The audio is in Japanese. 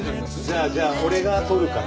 じゃあじゃあ俺が撮るから。